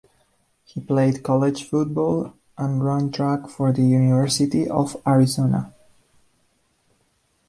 He played college football and ran track for the University of Arizona.